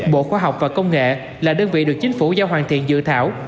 bộ khoa học và công nghệ là đơn vị được chính phủ giao hoàn thiện dự thảo